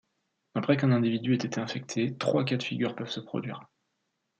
Après qu'un individu ait été infecté, trois cas de figure peuvent se produire.